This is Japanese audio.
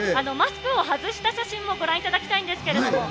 マスクを外した写真もご覧いただきたいんですけども。